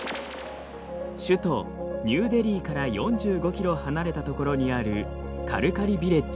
首都ニューデリーから４５ｋｍ離れたところにあるカルカリヴィレッジ。